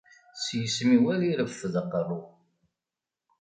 S yisem-iw ara ireffed aqerru.